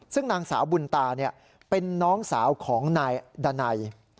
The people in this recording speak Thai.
ซึ่งนางสาวบุญตาเป็นน้องสาวของนายดันัย